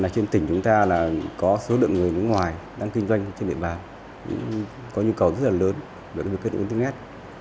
trên tỉnh chúng ta là có số lượng người nước ngoài đang kinh doanh trên địa bàn có nhu cầu rất là lớn để được kết nối với internet